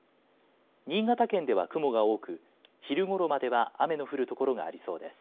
新潟県では雲が多く昼ごろまでは雨の降る所がありそうです。